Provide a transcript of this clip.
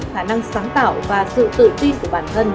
khả năng sáng tạo và sự tự ti của bản thân